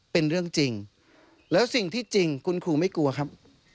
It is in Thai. เป็นเรื่องจริงแล้วสิ่งที่จริงคุณครูไม่กลัวครับ